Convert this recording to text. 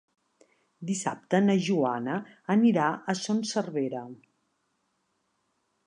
Dissabte na Joana anirà a Son Servera.